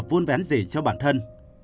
vuôn vén gì cho bản thân